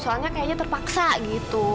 soalnya kayaknya terpaksa gitu